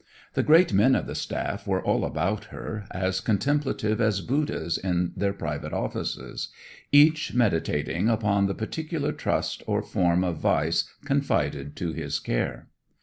The great men of the staff were all about her, as contemplative as Buddhas in their private offices, each meditating upon the particular trust or form of vice confided to his care.